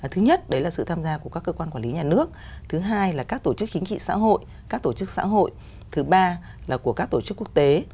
thứ nhất đấy là sự tham gia của các cơ quan quản lý nhà nước thứ hai là các tổ chức chính trị xã hội các tổ chức xã hội thứ ba là của các tổ chức quốc tế